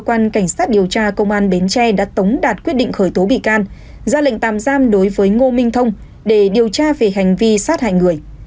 cơ quan cảnh sát điều tra công an bến tre đã tống đạt quyết định khởi tố bị can ra lệnh tạm giam đối với ngô minh thông để điều tra về hành vi sát hại người